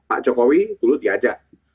pak jokowi dulu diajak